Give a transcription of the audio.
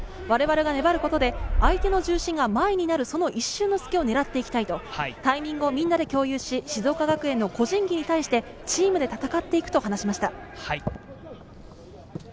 我々が粘ることで相手の重心が前になる、その一瞬の隙を狙っていきたいとタイミングをみんなで共有し、静岡学園の個人技に対してチームで戦っていくと話しました。